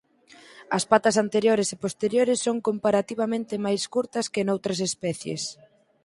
As patas anteriores e posteriores son comparativamente máis curtas que noutras especies.